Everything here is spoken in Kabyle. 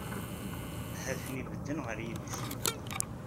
Ha-ten-i bedden ɣer yidis-nneɣ.